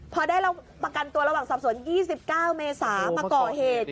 พอได้ประกันตัวระหว่างสอบสวน๒๙เมษามาก่อเหตุ